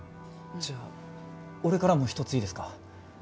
じゃあ俺からも１ついいですか？